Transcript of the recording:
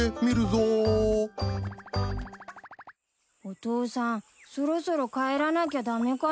お父さんそろそろ帰らなきゃ駄目かな？